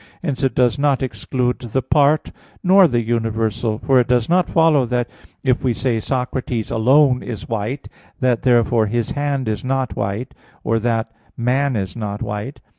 Hence it does not exclude the part, nor the universal; for it does not follow that if we say "Socrates alone is white," that therefore "his hand is not white," or that "man is not white."